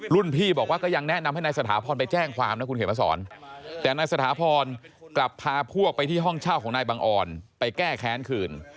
พี่บอกว่าก็ยังแนะนำให้นายสถาพรไปแจ้งความนะคุณเขียนมาสอนแต่นายสถาพรกลับพาพวกไปที่ห้องเช่าของนายบังออนไปแก้แค้นคืน